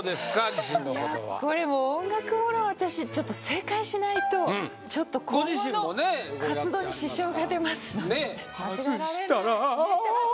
自信のほどはこれもう音楽もの私ちょっと正解しないとちょっと今後の活動に支障が出ますのでねえ外したらああー！